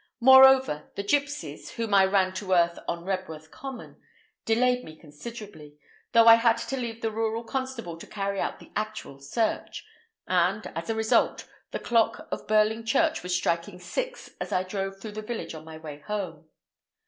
Moreover, the gipsies, whom I ran to earth on Rebworth Common, delayed me considerably, though I had to leave the rural constable to carry out the actual search, and, as a result, the clock of Burling Church was striking six as I drove through the village on my way home.